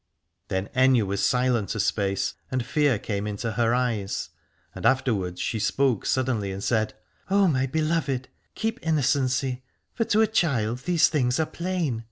Then Aithne was silent a space, and fear came into her eyes : and afterwards she spoke suddenly and said : O my beloved, keep in nocency, for to a child these things are plain.